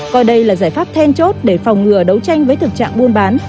coi đây là giải pháp then chốt để phòng ngừa đấu tranh với thực trạng buôn bán